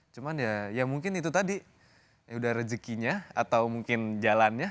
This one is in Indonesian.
cuman ya mungkin itu tadi ya udah rezekinya atau mungkin jalannya